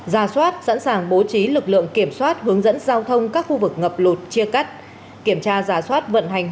ra soát sẵn sàng bố trí lực lượng kiểm soát hướng dẫn giao thông các khu vực ngập lụt chia cắt